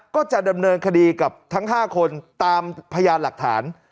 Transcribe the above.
ก็จะดำเนินคดีกับทั้ง๕คนตามพยานหลักฐาน